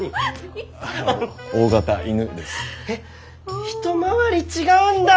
えっ一回り違うんだ。